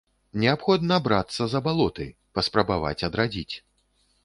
Неабходна брацца за балоты, паспрабаваць адрадзіць.